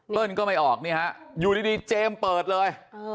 เติ้ลก็ไม่ออกอยู่ดีเจมส์เปิดเลย